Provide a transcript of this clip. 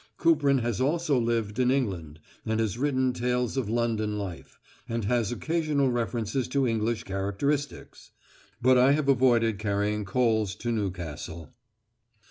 Kuprin has also lived in England and has written tales of London life, and has occasional references to English characteristics. But I have avoided carrying coals to Newcastle.